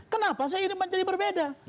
kenapa saya ingin menjadi berbeda